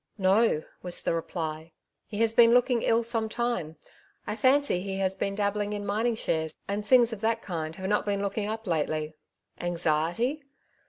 "Noj^' was the reply. ''He has been looking ill some time; I fancy he has been dabbling in mining shares, and things of that kind have not been looking up lately.^' " Anxiety